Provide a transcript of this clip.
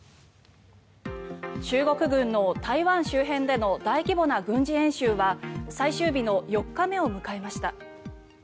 中国軍の台湾周辺での大規模な軍事演習は最終日の４日目を迎えました。